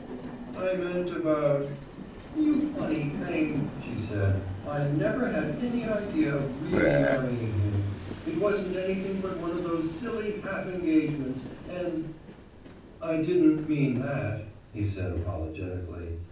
"I meant about " "You funny thing," she said. "I never had any idea of really marrying him; it wasn't anything but one of those silly half engagements, and " "I didn't mean that," he said, apologetically.